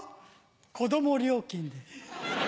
子供料金で。